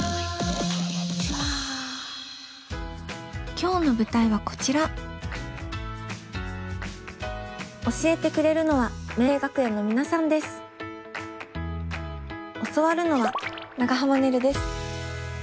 今日の舞台はこちら教えてくれるのは教わるのは長濱ねるです。